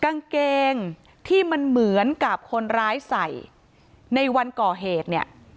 กางเกงที่มันเหมือนกับคนร้ายใส่ในวันก่อเหตุเนี่ย